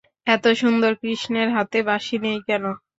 এত সুন্দর কৃষ্ণের হাতে বাঁশি নেই কেন?